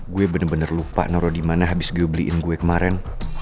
gue bener bener lupa naruh dimana habis gue beliin gue kemarin